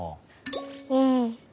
うん。